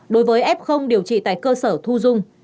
đối với f điều trị tại cơ sở thu dung